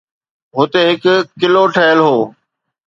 هتي هڪ قلعو ٺهيل هو